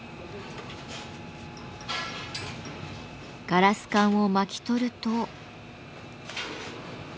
ガラス管を巻き取ると。